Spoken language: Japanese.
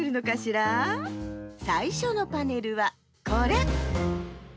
さいしょのパネルはこれ！